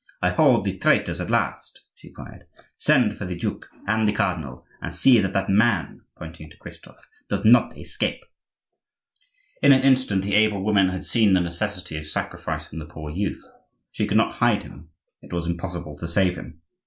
I hold the traitors at last," she cried. "Send for the duke and the cardinal; and see that that man," pointing to Christophe, "does not escape." In an instant the able woman had seen the necessity of sacrificing the poor youth. She could not hide him; it was impossible to save him.